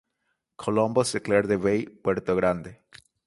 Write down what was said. Columbus declared the bay "Puerto Grande".